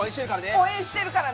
応援してるからね！